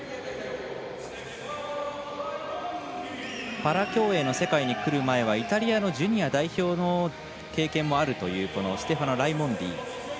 パラ競泳の世界に来る前はイタリアのジュニア代表の経験もあるというステファノ・ライモンディ。